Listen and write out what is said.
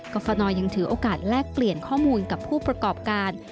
ฟนยังถือโอกาสแลกเปลี่ยนข้อมูลกับผู้ประกอบการ